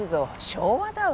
昭和だわ。